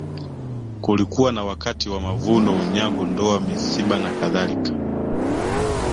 Kulikuwa na wakati wa mavuno unyago ndoa misiba na kadhalika